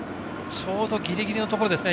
ちょうどギリギリのところですね。